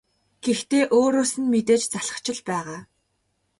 Гэхдээ өөрөөс нь мэдээж залхаж л байгаа.